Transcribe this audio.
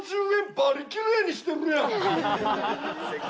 バリきれいにしてるやんけ。